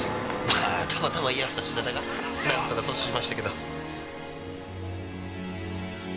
まあたまたま居合わせた品田がなんとか阻止しましたけど。